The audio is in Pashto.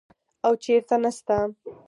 او چېرته نسته.